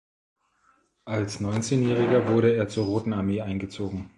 Als Neunzehnjähriger wurde er zur Roten Armee eingezogen.